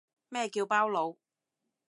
咩叫包佬